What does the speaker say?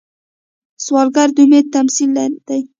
سوالګر د امید تمثیل دی